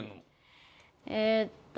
えっと